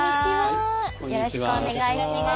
よろしくお願いします。